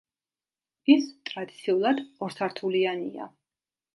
ის ტრადიციულად ორსართულიანია.